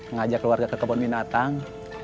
ngajak keluarga ke kebon minatang